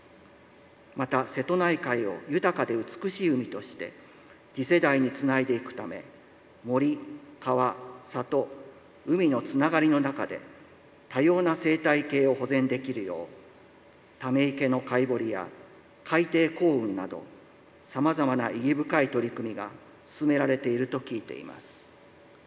また、瀬戸内海を豊かで美しい海として次世代につないでいくため森、川、里、海のつながりの中で多様な生態系を保全できるようため池のかいぼりや海底耕うんなどさまざまな意義深い取り組みが進められていると聞いています。